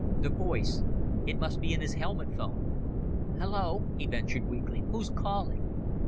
The voice it must be in his helmet phone. "Hello," he ventured weakly. "Who's calling?"